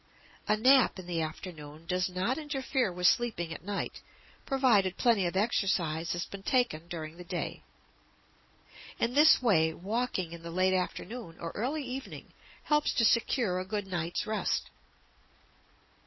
A nap in the afternoon does not interfere with sleeping at night provided plenty of exercise has been taken during the day. In this way walking in the late afternoon or early evening helps to secure a good night's rest.